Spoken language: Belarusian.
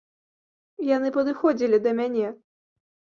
Яны падыходзілі да мяне.